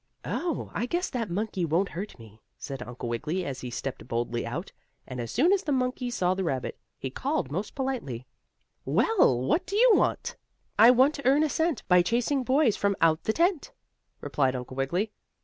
"Oh, I guess that monkey won't hurt me," said Uncle Wiggily as he stepped boldly out, and as soon as the monkey saw the rabbit, he called most politely: "Well, what do you want?" "I want to earn a cent, by chasing boys from out the tent," replied Uncle Wiggily.